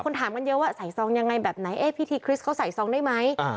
ถามกันเยอะว่าใส่ซองยังไงแบบไหนเอ๊ะพิธีคริสต์เขาใส่ซองได้ไหม